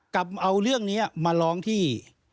กับเอาเรื่องนี้มาร้องที่